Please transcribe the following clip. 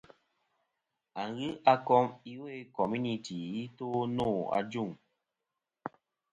Aghɨ a kom iwo i komunity i to nô ajuŋ.